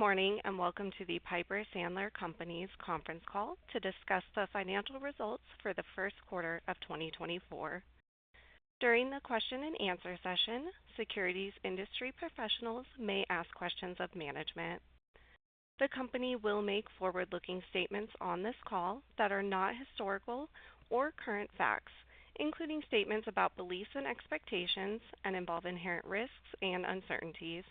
Good morning and welcome to the Piper Sandler Companies Conference Call to discuss the financial results for the first quarter of 2024. During the question-and-answer session, securities industry professionals may ask questions of management. The company will make forward-looking statements on this call that are not historical or current facts, including statements about beliefs and expectations and involve inherent risks and uncertainties.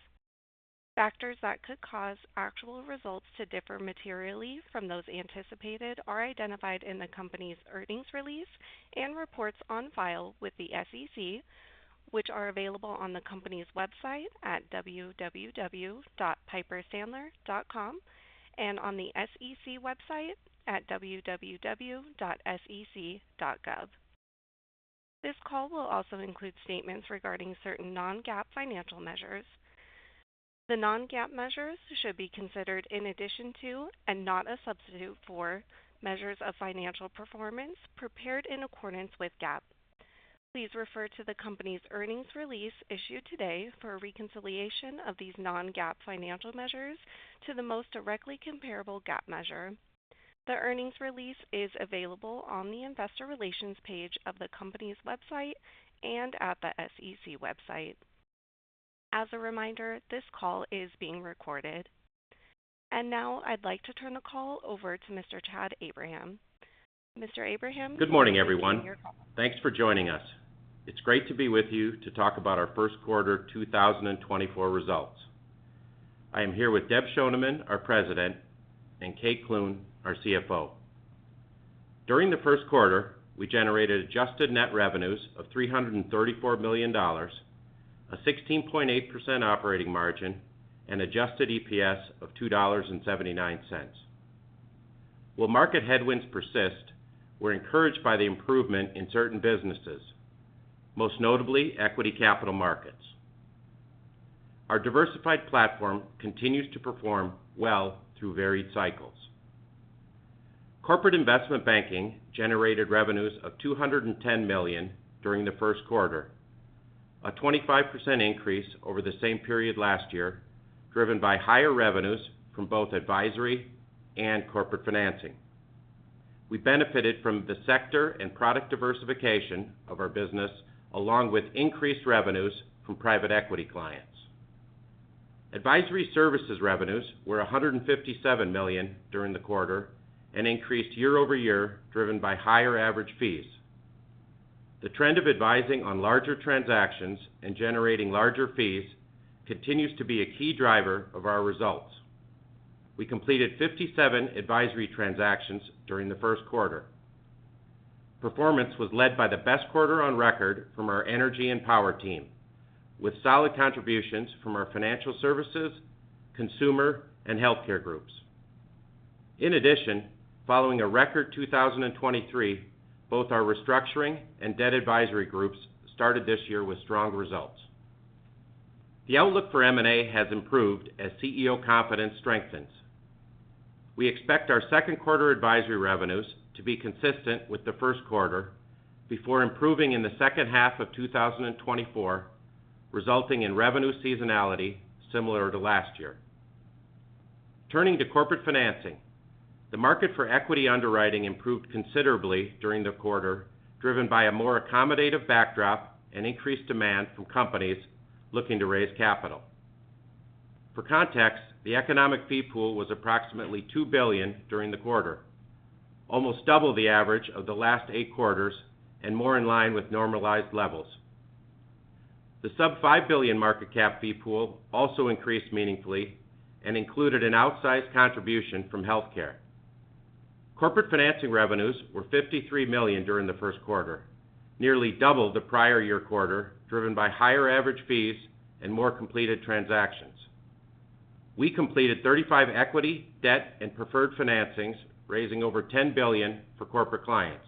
Factors that could cause actual results to differ materially from those anticipated are identified in the company's earnings release and reports on file with the SEC, which are available on the company's website at www.piper.com and on the SEC website at www.sec.gov. This call will also include statements regarding certain non-GAAP financial measures. The non-GAAP measures should be considered in addition to and not a substitute for measures of financial performance prepared in accordance with GAAP. Please refer to the company's earnings release issued today for reconciliation of these non-GAAP financial measures to the most directly comparable GAAP measure. The earnings release is available on the investor relations page of the company's website and at the SEC website. As a reminder, this call is being recorded. Now I'd like to turn the call over to Mr. Chad Abraham. Mr. Abraham. Good morning, everyone. Thanks for joining us. It's great to be with you to talk about our first quarter 2024 results. I am here with Deb Schoneman, our president, and Kate Clune, our CFO. During the first quarter, we generated adjusted net revenues of $334 million, a 16.8% operating margin, and adjusted EPS of $2.79. While market headwinds persist, we're encouraged by the improvement in certain businesses, most notably equity capital markets. Our diversified platform continues to perform well through varied cycles. Corporate Investment Banking generated revenues of $210 million during the first quarter, a 25% increase over the same period last year driven by higher revenues from both advisory and corporate financing. We benefited from the sector and product diversification of our business along with increased revenues from private equity clients. Advisory Services revenues were $157 million during the quarter and increased year-over-year driven by higher average fees. The trend of advising on larger transactions and generating larger fees continues to be a key driver of our results. We completed 57 advisory transactions during the first quarter. Performance was led by the best quarter on record from our energy and power team, with solid contributions from our financial services, consumer, and healthcare groups. In addition, following a record 2023, both our restructuring and debt advisory groups started this year with strong results. The outlook for M&A has improved as CEO confidence strengthens. We expect our second quarter advisory revenues to be consistent with the first quarter before improving in the second half of 2024, resulting in revenue seasonality similar to last year. Turning to Corporate Financing, the market for equity underwriting improved considerably during the quarter, driven by a more accommodative backdrop and increased demand from companies looking to raise capital. For context, the economic fee pool was approximately $2 billion during the quarter, almost double the average of the last eight quarters and more in line with normalized levels. The sub-$5 billion market cap fee pool also increased meaningfully and included an outsized contribution from healthcare. Corporate Financing revenues were $53 million during the first quarter, nearly double the prior year quarter driven by higher average fees and more completed transactions. We completed 35 equity, debt, and preferred financings, raising over $10 billion for corporate clients.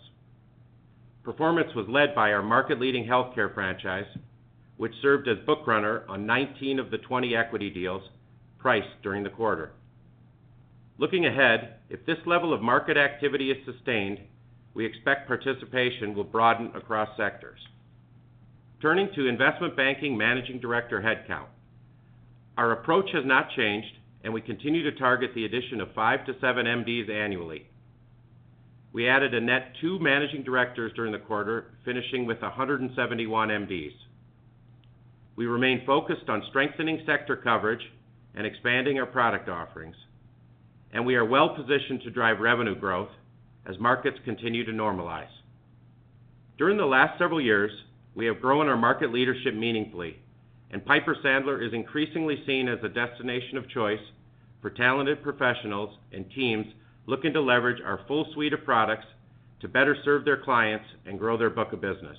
Performance was led by our market-leading healthcare franchise, which served as bookrunner on 19 of the 20 equity deals priced during the quarter. Looking ahead, if this level of market activity is sustained, we expect participation will broaden across sectors. Turning to investment banking managing director headcount, our approach has not changed, and we continue to target the addition of five to seven MDs annually. We added a net two managing directors during the quarter, finishing with 171 MDs. We remain focused on strengthening sector coverage and expanding our product offerings, and we are well-positioned to drive revenue growth as markets continue to normalize. During the last several years, we have grown our market leadership meaningfully, and Piper Sandler is increasingly seen as a destination of choice for talented professionals and teams looking to leverage our full suite of products to better serve their clients and grow their book of business.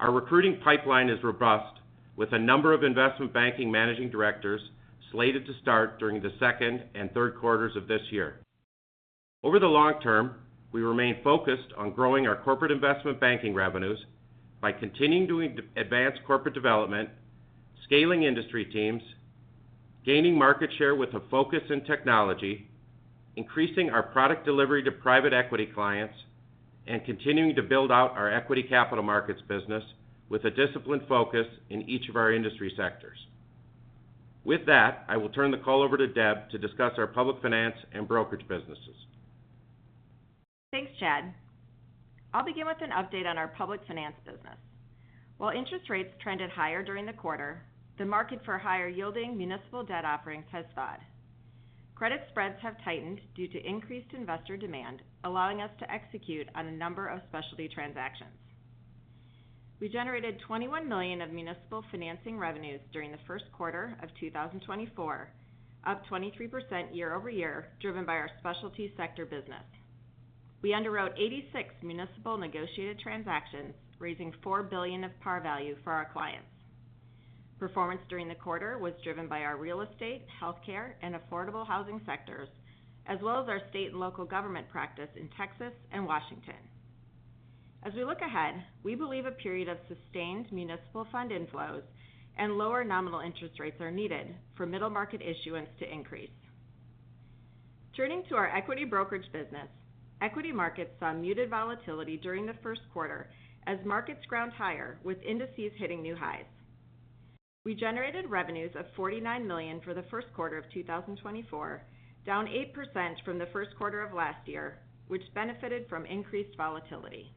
Our recruiting pipeline is robust, with a number of investment banking managing directors slated to start during the second and third quarters of this year. Over the long term, we remain focused on growing our Corporate Investment Banking revenues by continuing to advance corporate development, scaling industry teams, gaining market share with a focus in technology, increasing our product delivery to private equity clients, and continuing to build out our equity capital markets business with a disciplined focus in each of our industry sectors. With that, I will turn the call over to Deb to discuss our Public Finance and brokerage businesses. Thanks, Chad. I'll begin with an update on our Public Finance business. While interest rates trended higher during the quarter, the market for higher-yielding municipal debt offerings has thawed. Credit spreads have tightened due to increased investor demand, allowing us to execute on a number of specialty transactions. We generated $21 million of municipal financing revenues during the first quarter of 2024, up 23% year-over-year driven by our specialty sector business. We underwrote 86 municipal negotiated transactions, raising $4 billion of par value for our clients. Performance during the quarter was driven by our real estate, healthcare, and affordable housing sectors, as well as our state and local government practice in Texas and Washington. As we look ahead, we believe a period of sustained municipal fund inflows and lower nominal interest rates are needed for middle market issuance to increase. Turning to our Equity Brokerage business, equity markets saw muted volatility during the first quarter as markets ground higher, with indices hitting new highs. We generated revenues of $49 million for the first quarter of 2024, down 8% from the first quarter of last year, which benefited from increased volatility.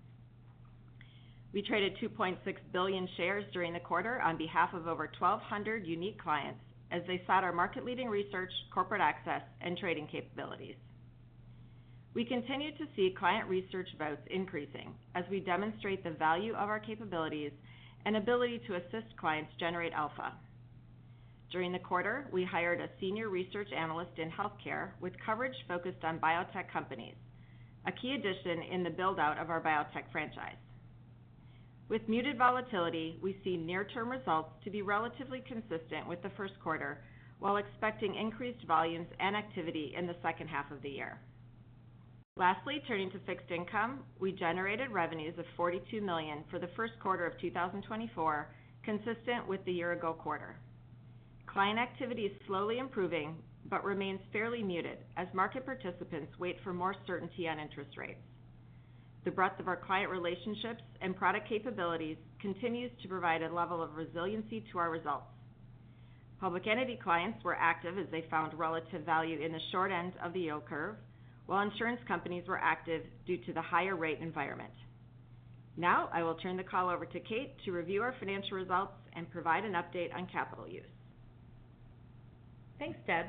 We traded 2.6 billion shares during the quarter on behalf of over 1,200 unique clients as they sought our market-leading research, corporate access, and trading capabilities. We continue to see client research votes increasing as we demonstrate the value of our capabilities and ability to assist clients generate alpha. During the quarter, we hired a senior research analyst in healthcare with coverage focused on biotech companies, a key addition in the buildout of our biotech franchise. With muted volatility, we see near-term results to be relatively consistent with the first quarter while expecting increased volumes and activity in the second half of the year. Lastly, turning to Fixed Income, we generated revenues of $42 million for the first quarter of 2024, consistent with the year-ago quarter. Client activity is slowly improving but remains fairly muted as market participants wait for more certainty on interest rates. The breadth of our client relationships and product capabilities continues to provide a level of resiliency to our results. Public entity clients were active as they found relative value in the short end of the yield curve, while insurance companies were active due to the higher-rate environment. Now I will turn the call over to Kate to review our financial results and provide an update on capital use. Thanks, Deb.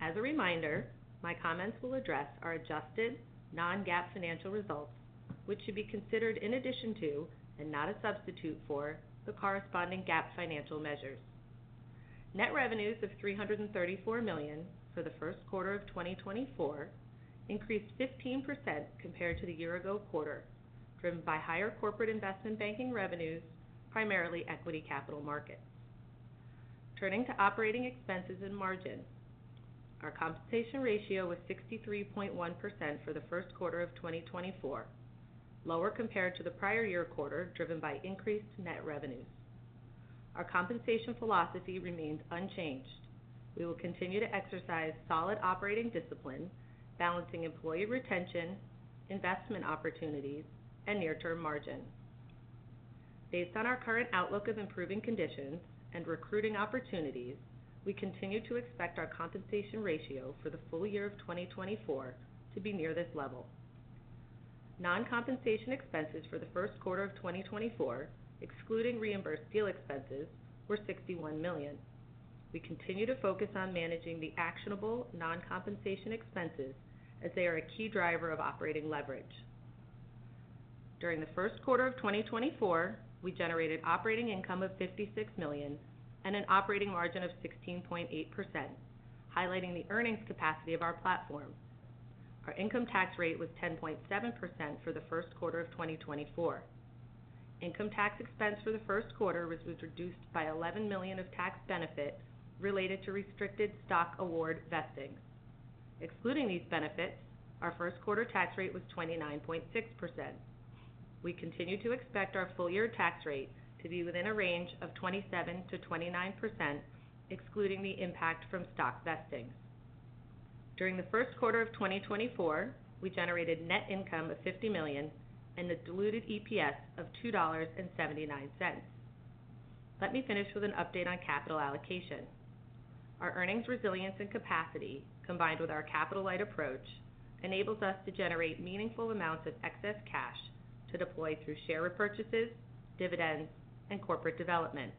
As a reminder, my comments will address our adjusted non-GAAP financial results, which should be considered in addition to and not a substitute for the corresponding GAAP financial measures. Net revenues of $334 million for the first quarter of 2024 increased 15% compared to the year-ago quarter, driven by higher Corporate Investment Banking revenues, primarily equity capital markets. Turning to operating expenses and margins, our compensation ratio was 63.1% for the first quarter of 2024, lower compared to the prior year quarter driven by increased net revenues. Our compensation philosophy remains unchanged. We will continue to exercise solid operating discipline, balancing employee retention, investment opportunities, and near-term margins. Based on our current outlook of improving conditions and recruiting opportunities, we continue to expect our compensation ratio for the full year of 2024 to be near this level. Non-compensation expenses for the first quarter of 2024, excluding reimbursed deal expenses, were $61 million. We continue to focus on managing the actionable non-compensation expenses as they are a key driver of operating leverage. During the first quarter of 2024, we generated operating income of $56 million and an operating margin of 16.8%, highlighting the earnings capacity of our platform. Our income tax rate was 10.7% for the first quarter of 2024. Income tax expense for the first quarter was reduced by $11 million of tax benefit related to restricted stock award vestings. Excluding these benefits, our first quarter tax rate was 29.6%. We continue to expect our full-year tax rate to be within a range of 27%-29%, excluding the impact from stock vestings. During the first quarter of 2024, we generated net income of $50 million and a diluted EPS of $2.79. Let me finish with an update on capital allocation. Our earnings resilience and capacity, combined with our capital-light approach, enables us to generate meaningful amounts of excess cash to deploy through share repurchases, dividends, and corporate development.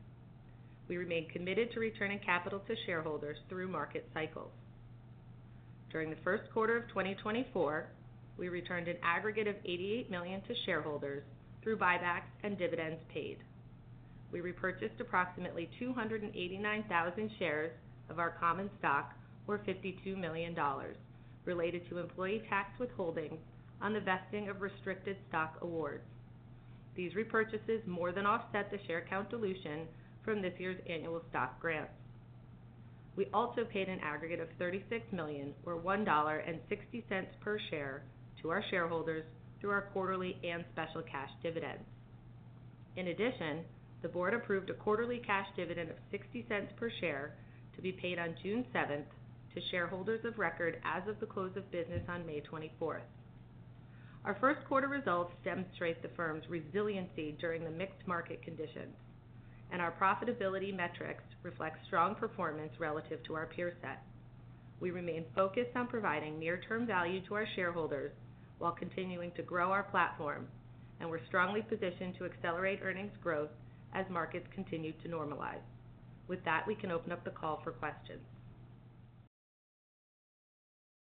We remain committed to returning capital to shareholders through market cycles. During the first quarter of 2024, we returned an aggregate of $88 million to shareholders through buybacks and dividends paid. We repurchased approximately 289,000 shares of our common stock, worth $52 million, related to employee tax withholdings on the vesting of restricted stock awards. These repurchases more than offset the share count dilution from this year's annual stock grants. We also paid an aggregate of $36 million, worth $1.60 per share, to our shareholders through our quarterly and special cash dividends. In addition, the board approved a quarterly cash dividend of $0.60 per share to be paid on June 7th to shareholders of record as of the close of business on May 24th. Our first quarter results demonstrate the firm's resiliency during the mixed market conditions, and our profitability metrics reflect strong performance relative to our peer set. We remain focused on providing near-term value to our shareholders while continuing to grow our platform, and we're strongly positioned to accelerate earnings growth as markets continue to normalize. With that, we can open up the call for questions.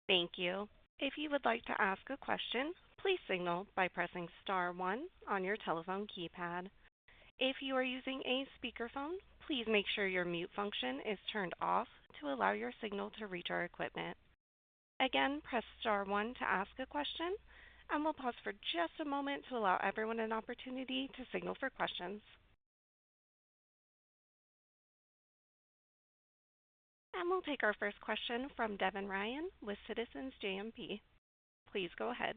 Thank you. If you would like to ask a question, please signal by pressing star one on your telephone keypad. If you are using a speakerphone, please make sure your mute function is turned off to allow your signal to reach our equipment. Again, press star one to ask a question, and we'll pause for just a moment to allow everyone an opportunity to signal for questions. We'll take our first question from Devin Ryan with Citizens JMP. Please go ahead.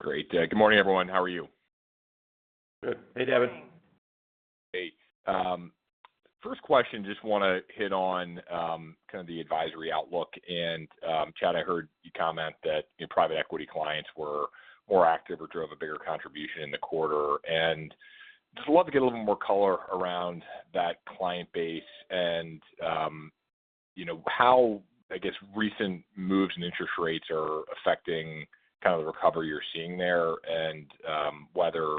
Great. Good morning, everyone. How are you? Good. Hey, Devin. Hey. First question, just want to hit on kind of the advisory outlook. And, Chad, I heard you comment that private equity clients were more active or drove a bigger contribution in the quarter. And just love to get a little more color around that client base and how, I guess, recent moves in interest rates are affecting kind of the recovery you're seeing there and whether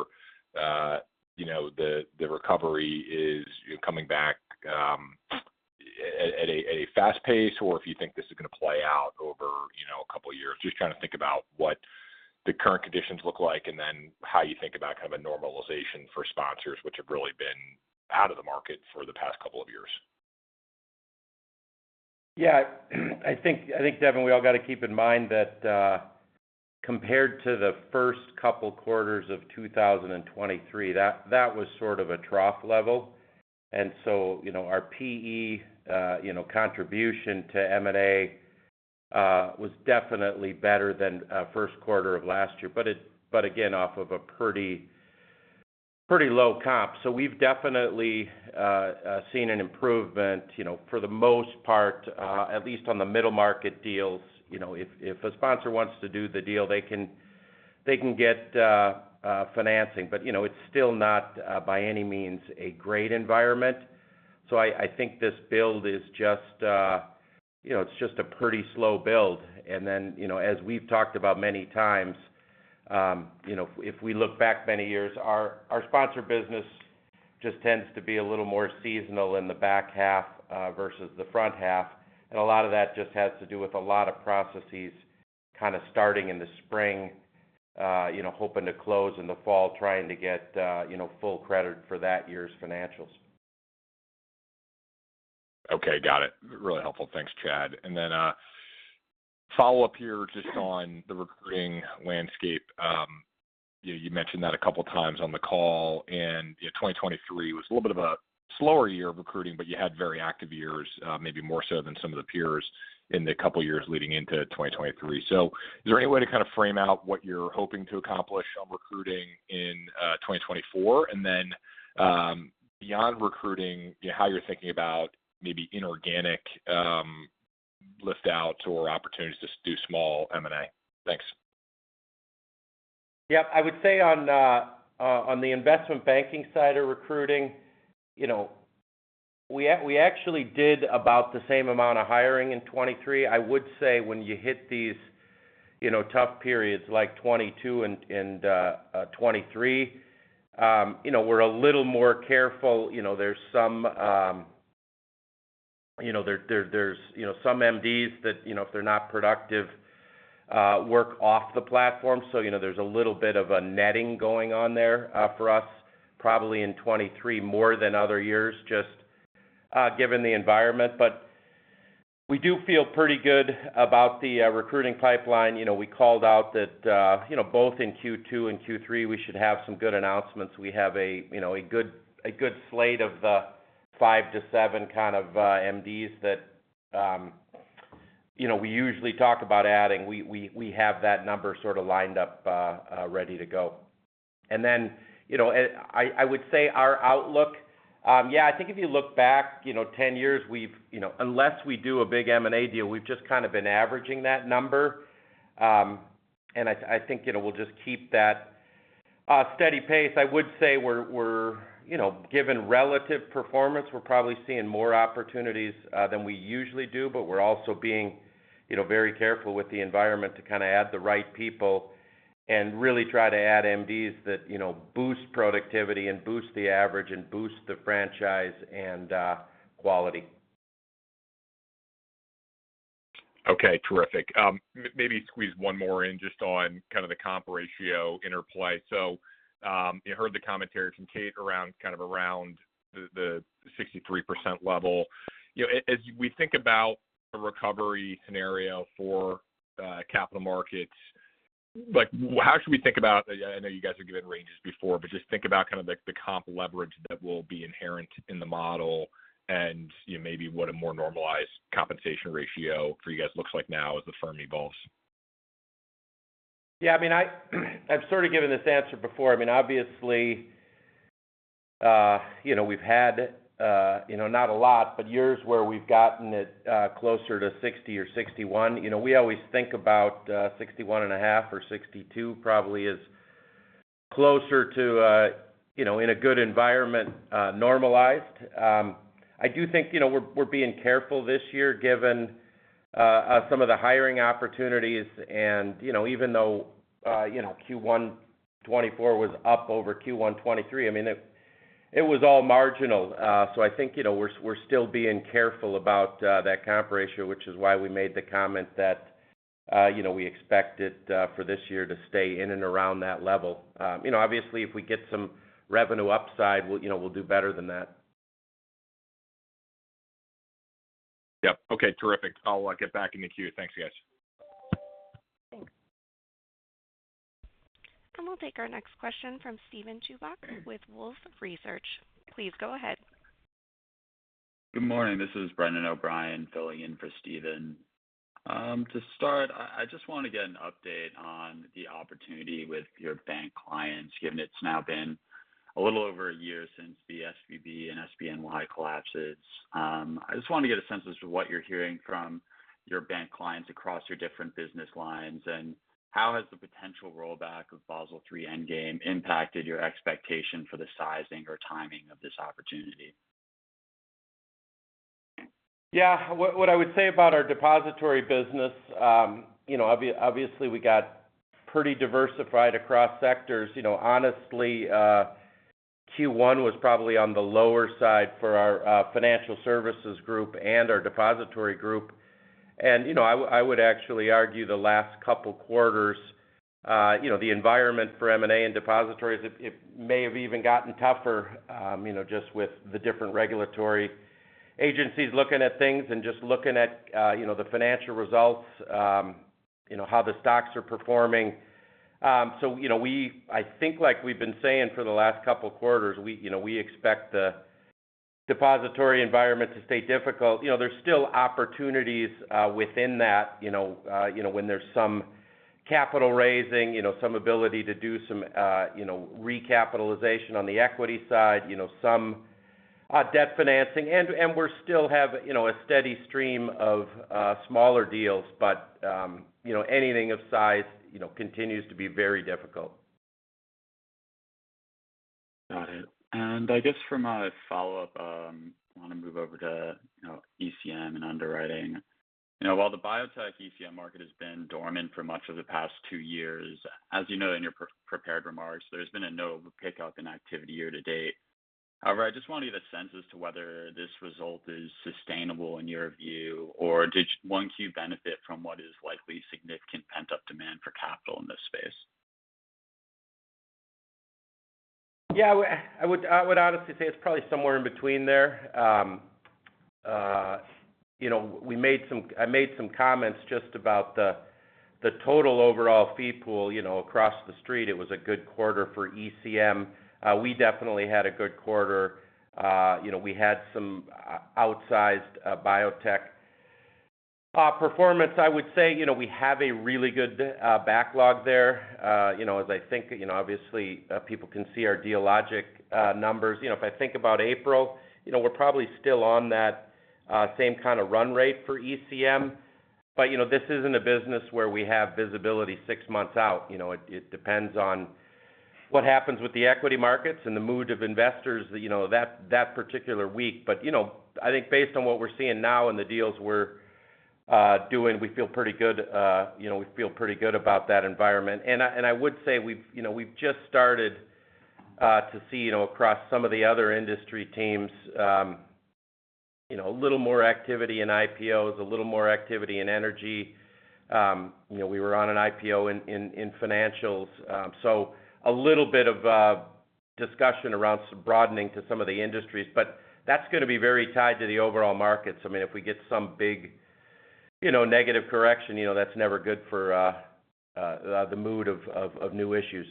the recovery is coming back at a fast pace or if you think this is going to play out over a couple of years. Just trying to think about what the current conditions look like and then how you think about kind of a normalization for sponsors, which have really been out of the market for the past couple of years. Yeah. I think, Devin, we all got to keep in mind that compared to the first couple quarters of 2023, that was sort of a trough level. And so our PE contribution to M&A was definitely better than first quarter of last year, but again, off of a pretty low comp. So we've definitely seen an improvement for the most part, at least on the middle market deals. If a sponsor wants to do the deal, they can get financing. But it's still not, by any means, a great environment. So I think this build is just a pretty slow build. And then, as we've talked about many times, if we look back many years, our sponsor business just tends to be a little more seasonal in the back half versus the front half. A lot of that just has to do with a lot of processes kind of starting in the spring, hoping to close in the fall, trying to get full credit for that year's financials. Okay. Got it. Really helpful. Thanks, Chad. Then follow-up here just on the recruiting landscape. You mentioned that a couple of times on the call. And 2023 was a little bit of a slower year of recruiting, but you had very active years, maybe more so than some of the peers in the couple of years leading into 2023. So is there any way to kind of frame out what you're hoping to accomplish on recruiting in 2024 and then, beyond recruiting, how you're thinking about maybe inorganic liftouts or opportunities to do small M&A? Thanks. Yep. I would say on the investment banking side of recruiting, we actually did about the same amount of hiring in 2023. I would say when you hit these tough periods like 2022 and 2023, we're a little more careful. There's some MDs that, if they're not productive, work off the platform. So there's a little bit of a netting going on there for us, probably in 2023 more than other years, just given the environment. But we do feel pretty good about the recruiting pipeline. We called out that both in Q2 and Q3, we should have some good announcements. We have a good slate of the 5-7 kind of MDs that we usually talk about adding. We have that number sort of lined up ready to go. And then I would say our outlook yeah, I think if you look back 10 years, unless we do a big M&A deal, we've just kind of been averaging that number. And I think we'll just keep that steady pace. I would say we're given relative performance. We're probably seeing more opportunities than we usually do, but we're also being very careful with the environment to kind of add the right people and really try to add MDs that boost productivity and boost the average and boost the franchise and quality. Okay. Terrific. Maybe squeeze one more in just on kind of the comp ratio interplay. So I heard the commentary from Kate kind of around the 63% level. As we think about a recovery scenario for capital markets, how should we think about it? I know you guys are giving ranges before, but just think about kind of the comp leverage that will be inherent in the model and maybe what a more normalized compensation ratio for you guys looks like now as the firm evolves. Yeah. I mean, I've sort of given this answer before. I mean, obviously, we've had not a lot, but years where we've gotten it closer to 60 or 61. We always think about 61.5 or 62 probably as closer to, in a good environment, normalized. I do think we're being careful this year given some of the hiring opportunities. Even though Q1 2024 was up over Q1 2023, I mean, it was all marginal. I think we're still being careful about that comp ratio, which is why we made the comment that we expect it for this year to stay in and around that level. Obviously, if we get some revenue upside, we'll do better than that. Yep. Okay. Terrific. I'll get back into queue. Thanks, guys. Thanks. We'll take our next question from Steven Chubak with Wolfe Research. Please go ahead. Good morning. This is Brendan O'Brien, filling in for Steven. To start, I just want to get an update on the opportunity with your bank clients, given it's now been a little over a year since the SVB and SBNY collapses. I just want to get a sense as to what you're hearing from your bank clients across your different business lines and how has the potential rollback of Basel III Endgame impacted your expectation for the sizing or timing of this opportunity? Yeah. What I would say about our depository business, obviously, we got pretty diversified across sectors. Honestly, Q1 was probably on the lower side for our financial services group and our depository group. And I would actually argue the last couple quarters, the environment for M&A and depositories, it may have even gotten tougher just with the different regulatory agencies looking at things and just looking at the financial results, how the stocks are performing. So I think like we've been saying for the last couple quarters, we expect the depository environment to stay difficult. There's still opportunities within that when there's some capital raising, some ability to do some recapitalization on the equity side, some debt financing. And we still have a steady stream of smaller deals, but anything of size continues to be very difficult. Got it. And I guess from a follow-up, I want to move over to ECM and underwriting. While the biotech ECM market has been dormant for much of the past two years, as you know in your prepared remarks, there's been a notable pickup in activity year to date. However, I just want to get a sense as to whether this result is sustainable in your view or did 1Q benefit from what is likely significant pent-up demand for capital in this space? Yeah. I would honestly say it's probably somewhere in between there. I made some comments just about the total overall fee pool across the street. It was a good quarter for ECM. We definitely had a good quarter. We had some outsized biotech performance. I would say we have a really good backlog there. As I think, obviously, people can see our GAAP numbers. If I think about April, we're probably still on that same kind of run rate for ECM. But this isn't a business where we have visibility six months out. It depends on what happens with the equity markets and the mood of investors that particular week. But I think based on what we're seeing now and the deals we're doing, we feel pretty good. We feel pretty good about that environment. I would say we've just started to see across some of the other industry teams a little more activity in IPOs, a little more activity in energy. We were on an IPO in financials. A little bit of discussion around some broadening to some of the industries, but that's going to be very tied to the overall markets. I mean, if we get some big negative correction, that's never good for the mood of new issues.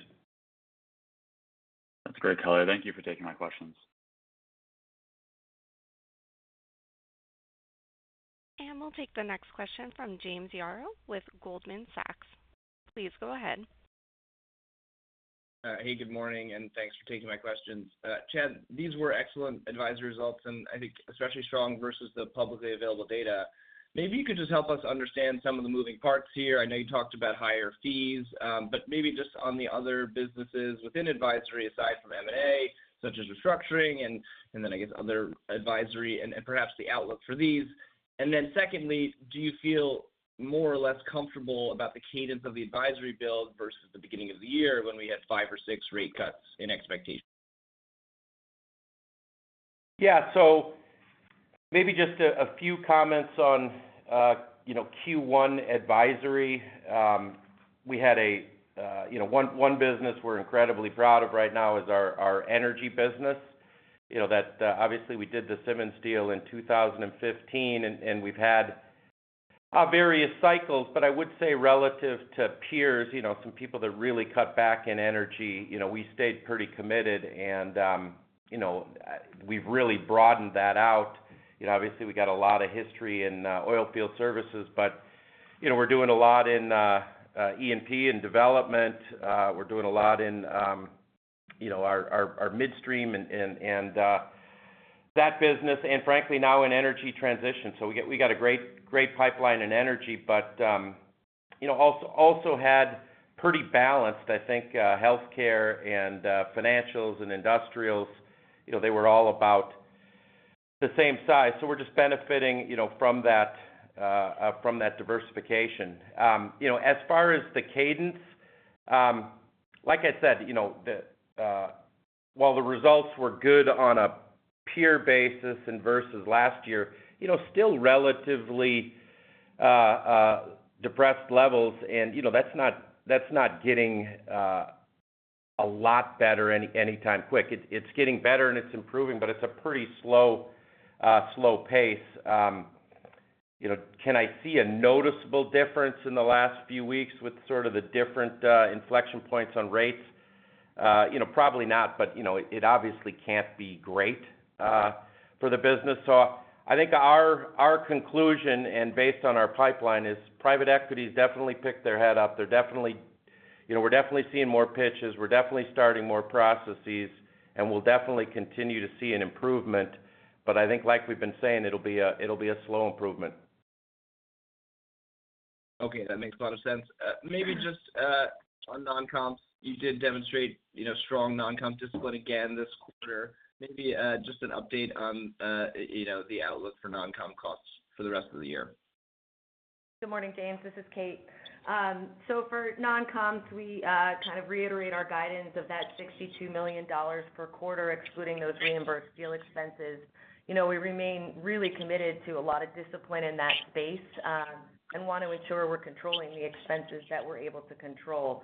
That's great, Chad. Thank you for taking my questions. We'll take the next question from James Yaro with Goldman Sachs. Please go ahead. Hey. Good morning. Thanks for taking my questions. Chad, these were excellent advisory results, and I think especially strong versus the publicly available data. Maybe you could just help us understand some of the moving parts here. I know you talked about higher fees, but maybe just on the other businesses within advisory aside from M&A, such as restructuring, and then I guess other advisory and perhaps the outlook for these. Then secondly, do you feel more or less comfortable about the cadence of the advisory build versus the beginning of the year when we had 5 or 6 rate cuts in expectation? Yeah. So maybe just a few comments on Q1 advisory. We had one business we're incredibly proud of right now is our energy business. Obviously, we did the Simmons deal in 2015, and we've had various cycles. But I would say relative to peers, some people that really cut back in energy, we stayed pretty committed, and we've really broadened that out. Obviously, we got a lot of history in oilfield services, but we're doing a lot in E&P and development. We're doing a lot in our midstream and that business. And frankly, now in energy transition. So we got a great pipeline in energy, but also had pretty balanced, I think, healthcare and financials and industrials. They were all about the same size. So we're just benefiting from that diversification. As far as the cadence, like I said, while the results were good on a peer basis and versus last year, still relatively depressed levels. That's not getting a lot better anytime quick. It's getting better, and it's improving, but it's a pretty slow pace. Can I see a noticeable difference in the last few weeks with sort of the different inflection points on rates? Probably not, but it obviously can't be great for the business. So I think our conclusion, and based on our pipeline, is private equities definitely picked their head up. We're definitely seeing more pitches. We're definitely starting more processes, and we'll definitely continue to see an improvement. But I think, like we've been saying, it'll be a slow improvement. Okay. That makes a lot of sense. Maybe just on non-comps, you did demonstrate strong non-comp discipline again this quarter. Maybe just an update on the outlook for non-comp costs for the rest of the year. Good morning, James. This is Kate. So for non-comps, we kind of reiterate our guidance of that $62 million per quarter, excluding those reimbursed deal expenses. We remain really committed to a lot of discipline in that space and want to ensure we're controlling the expenses that we're able to control.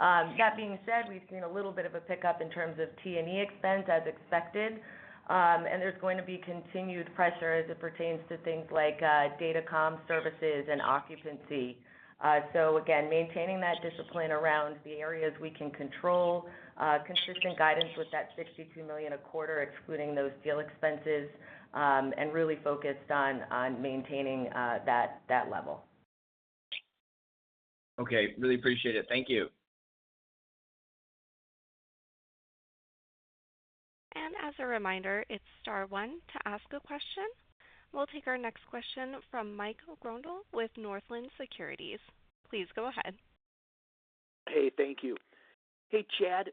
That being said, we've seen a little bit of a pickup in terms of T&E expense as expected, and there's going to be continued pressure as it pertains to things like data comm services and occupancy. So again, maintaining that discipline around the areas we can control, consistent guidance with that $62 million a quarter, excluding those deal expenses, and really focused on maintaining that level. Okay. Really appreciate it. Thank you. As a reminder, it's star one to ask a question. We'll take our next question from Mike Grondahl with Northland Securities. Please go ahead. Hey. Thank you. Hey, Chad,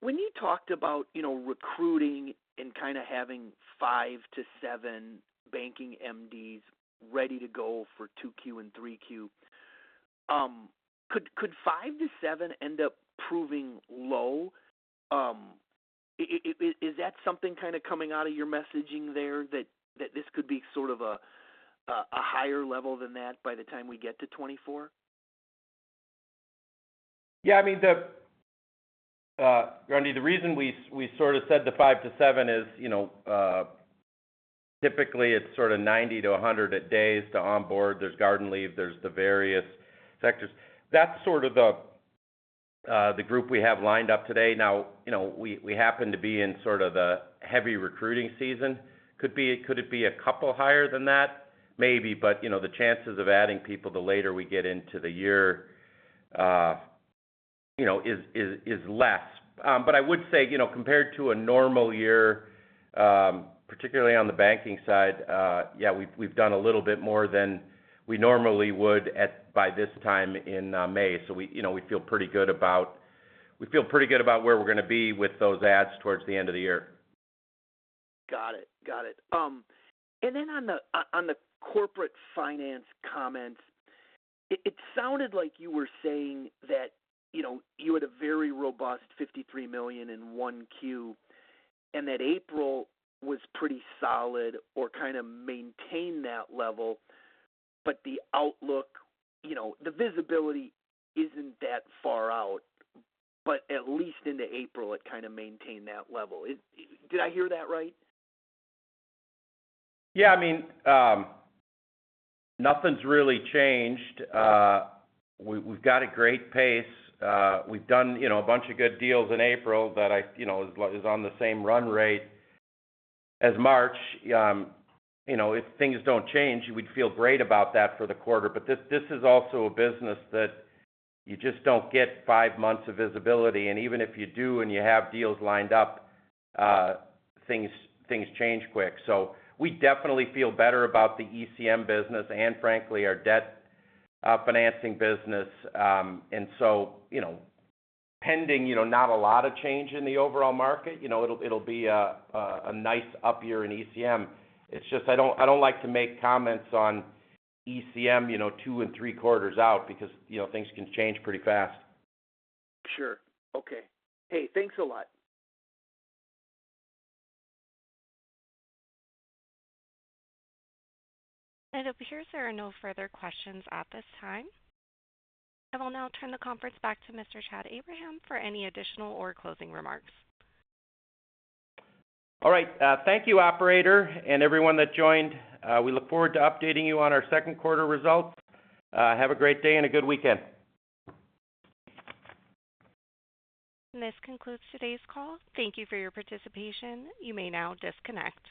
when you talked about recruiting and kind of having five to seven banking MDs ready to go for 2Q and 3Q, could five to seven end up proving low? Is that something kind of coming out of your messaging there that this could be sort of a higher level than that by the time we get to 2024? Yeah. I mean, frankly, the reason we sort of said the five to seven is typically, it's sort of 90-100 days to onboard. There's garden leave. There's the various sectors. That's sort of the group we have lined up today. Now, we happen to be in sort of the heavy recruiting season. Could it be a couple higher than that? Maybe, but the chances of adding people the later we get into the year is less. But I would say compared to a normal year, particularly on the banking side, yeah, we've done a little bit more than we normally would by this time in May. So we feel pretty good about we feel pretty good about where we're going to be with those ads towards the end of the year. Got it. Got it. And then on the corporate finance comments, it sounded like you were saying that you had a very robust $53 million in 1Q and that April was pretty solid or kind of maintained that level, but the outlook, the visibility isn't that far out, but at least into April, it kind of maintained that level. Did I hear that right? Yeah. I mean, nothing's really changed. We've got a great pace. We've done a bunch of good deals in April that is on the same run rate as March. If things don't change, we'd feel great about that for the quarter. But this is also a business that you just don't get five months of visibility. And even if you do and you have deals lined up, things change quick. So we definitely feel better about the ECM business and, frankly, our debt financing business. And so pending not a lot of change in the overall market, it'll be a nice up year in ECM. It's just I don't like to make comments on ECM two and three quarters out because things can change pretty fast. Sure. Okay. Hey, thanks a lot. It appears there are no further questions at this time. I will now turn the conference back to Mr. Chad Abraham for any additional or closing remarks. All right. Thank you, operator, and everyone that joined. We look forward to updating you on our second quarter results. Have a great day and a good weekend. This concludes today's call. Thank you for your participation. You may now disconnect.